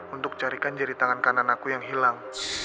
untuk carikan jari tangan kanan aku yang hilang